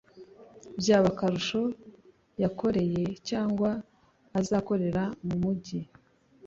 Byaba akarusho yakoreye cyangwa azakorera mu mugi